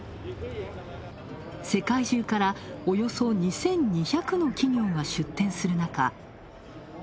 世界中からおよそ２２００の企業が出展する中